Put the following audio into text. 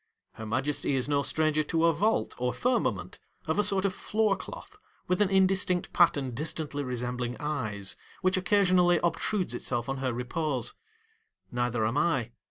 Her Majesty is no VOL. VI. 136 146 HOUSEHOLD WORDS. [Conducted by stranger to a vault or firmament, of a sort of floorcloth, with an indistinct pattern distantly resembling eyes, which occasionally obtrudes itself on her repose. Neither am I.